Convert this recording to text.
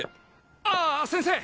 あっ先生！